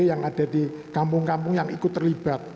yang ada di kampung kampung yang ikut terlibat